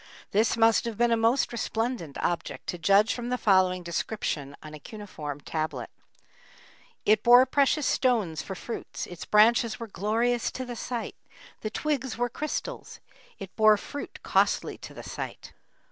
This must have been a most resplendent object, to judge from the following description on a cuneiform tablet: It bore precious stones for fruits; Its branches were glorious to the sight; The twigs were crystals; It bore fruit costly to the sight.